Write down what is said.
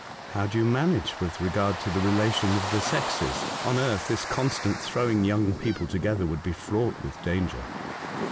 " How do you manage with regard to the relation of the sexes ? On earth this constant throwing young people together would be fraught with danger."